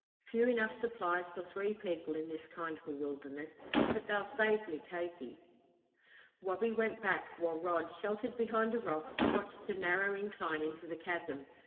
Few enough supplies for three people in this kind of a wilderness but they'll save Mukoki!" Wabi went back, while Rod, sheltered behind a rock, watched the narrow incline into the chasm.